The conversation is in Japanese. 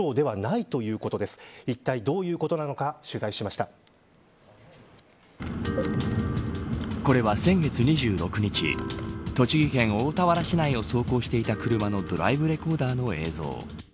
いったいどういうことなのかこれは先月２６日栃木県大田原市内を走行していた車のドライブレコーダーの映像。